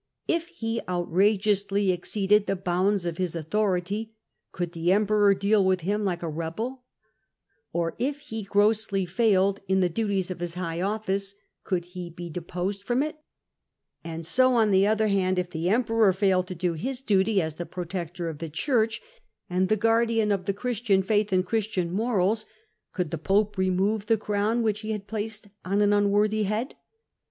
If he outrageously exceeded the bounds of his authority, could the emperor deal with him like a rebel ? or if he grossly failed in the duties of his high office, could he be deposed from it ? And so, on the other hand, if the emperor failed to do his duty as the protector of the Church and the guardian of the Christian faith and Christian morals, could the pope remove the crown which he had placed on an unworthy head?